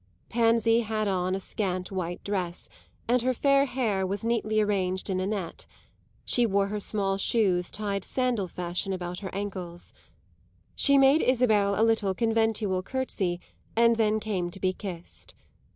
Pansy had on a scant white dress, and her fair hair was neatly arranged in a net; she wore her small shoes tied sandal fashion about her ankles. She made Isabel a little conventual curtsey and then came to be kissed.